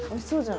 そう！